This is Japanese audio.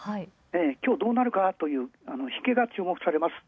今日どうなるかなというのが引けが注目される。